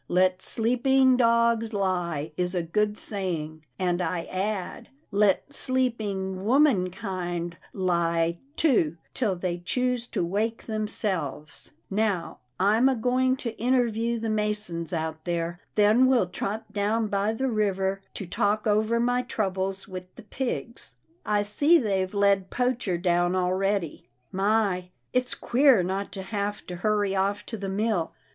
* Let sleeping dogs lie,' is a good saying, and I add, ' Let sleeping womankind lie, too,' till they choose to wake themselves — Now I'm a going to interview the masons out there, then will trot down by the river to talk over my troubles with the pigs. I see they've led Poacher down already. My ! it's queer not to have to hurry off to the mill.